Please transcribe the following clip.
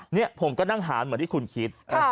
นี่ผมก็นั่งหารเหมือนที่คุณคิด